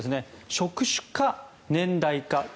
職種か年代か。